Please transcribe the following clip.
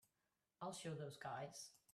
I'll show those guys.